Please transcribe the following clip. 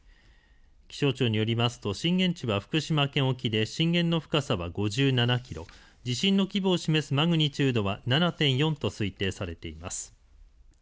気象庁によりますと震源地は福島県沖で震源の深さは５７キロ、地震の規模を示すマグニチュードは７．４と推定されています。